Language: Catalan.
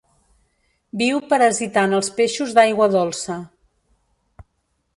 Viu parasitant els peixos d'aigua dolça.